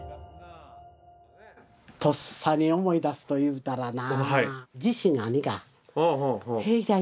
とっさに思い出すというたらな。